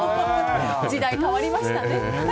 時代変わりましたね。